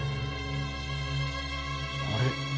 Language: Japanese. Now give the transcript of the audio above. あれ？